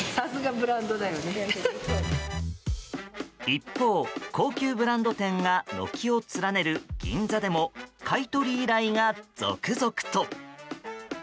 一方、高級ブランド店が軒を連ねる銀座でも買い取り依頼が続々と。